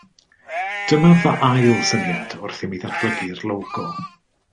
Dyma fy ail syniad wrth i mi ddatblygu'r logo